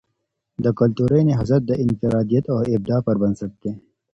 د کلتوری نهضت د انفرادیت او ابداع پر بنسټ دی.